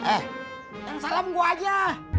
eh yang salam gue aja